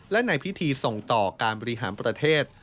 และในพิธีส่งต่อการบริหารประเทศ